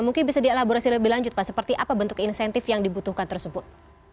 mungkin bisa dielaborasi lebih lanjut pak seperti apa bentuk insentif yang dibutuhkan tersebut